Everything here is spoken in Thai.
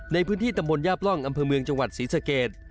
ในพื้นที่ตำบลยาบร่องอำเภอเมืองจังหวัดศรีสเกต